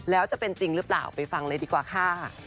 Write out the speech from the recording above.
แล้วจะเป็นจริงหรือเปล่าไปฟังเลยดีกว่าค่ะ